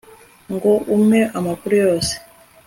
ngo umpe amakuru yose